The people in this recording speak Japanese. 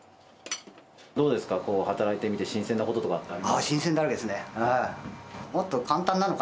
どうですか、働いてみて新鮮なこととかってありますか？